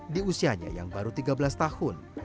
di usianya yang baru tiga belas tahun